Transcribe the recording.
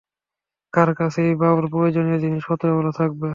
কার কাছেই বা ওর প্রয়োজনীয় জিনিসপত্রগুলো থাকবে?